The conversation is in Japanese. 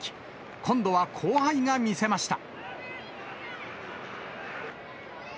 今度は後輩が見せました。